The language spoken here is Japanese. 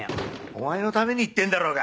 お前のために言ってんだろうが！